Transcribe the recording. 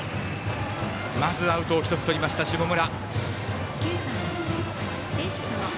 まず、アウトを１つとりました下村。